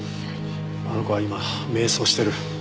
あの子は今迷走してる。